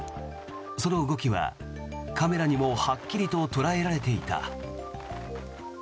その動きはカメラにもはっきりと捉えられていた。